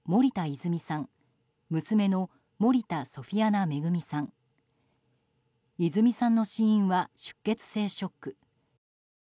泉さんの死因は出血性ショック。